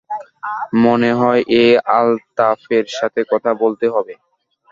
মনে হয় ওই আলতাফের সাথে কথা বলতে হবে।